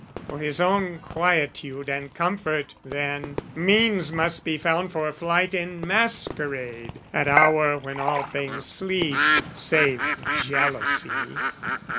For his own quietude and comfort, then, Means must be found for flight in masquerade At hour when all things sleep. "Save jealousy!"